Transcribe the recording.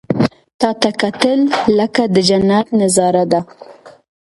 • تا ته کتل، لکه د جنت نظاره ده.